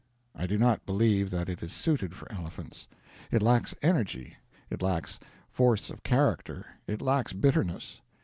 I do not believe that it is suited for elephants. It lacks energy, it lacks force of character, it lacks bitterness.